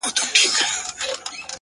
• د پامیر لوري یه د ښکلي اریانا لوري ـ